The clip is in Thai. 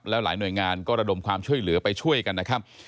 แล้วหลายหน่วยงานก็ระดมความช่วยเหลือไปช่วยกันนะครับ